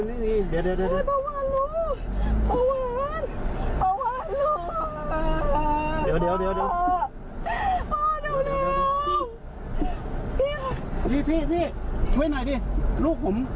มันไม่มีพระวันรู้